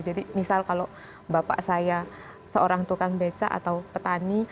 misal kalau bapak saya seorang tukang beca atau petani